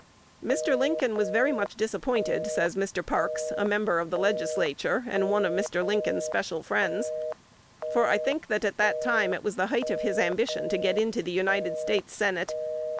"Mr. Lincoln was very much disappointed," says Mr. Parks, a member of the Legislature, and one of Mr. Lincoln's special friends; "for I think, that, at that time, it was the height of his ambition to get into the United States Senate.